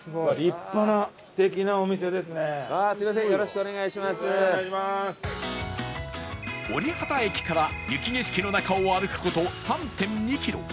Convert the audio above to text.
おりはた駅から雪景色の中を歩く事 ３．２ キロ